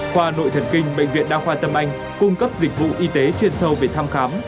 khoa nội thần kinh bệnh viện đa khoa tâm anh cung cấp dịch vụ y tế chuyên sâu về thăm khám